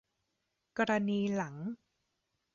กรณีหลัง